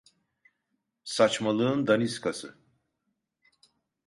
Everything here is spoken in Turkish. Saçmalığın daniskası.